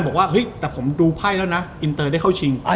มาทางอังเขอะ